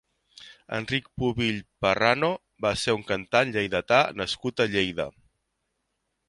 Enric Pubill Parrano va ser un cantant lleidatà nascut a Lleida.